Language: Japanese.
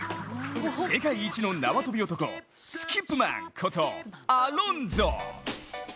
世界一の縄跳び男、スキップマンことアロンゾ。